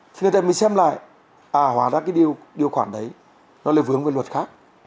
thì người ta mới xem lại à hóa ra cái điều khoản đấy nó lại vướng với luật khác